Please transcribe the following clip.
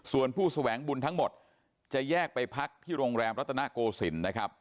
ส่วนผู้แสวงบุญทั้งหมดจะแยกไปพักที่โรงแรมรัตนโกศิลป์นะครับ